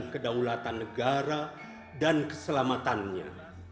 kedaulatan negara dan keselamatannya